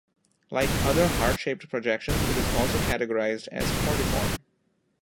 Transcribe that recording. Like other heart-shaped projections, it is also categorized as cordiform.